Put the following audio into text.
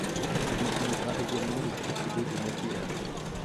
Il utilisera également des procédés de maquillage.